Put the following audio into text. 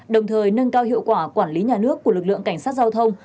đồng thời nâng cao hiệu quả quản lý nhà nước của lực lượng cảnh sát giao thông